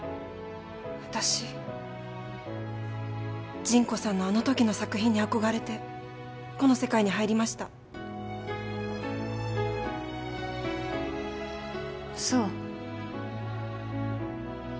私ジンコさんのあのときの作品に憧れてこの世界に入りましたそう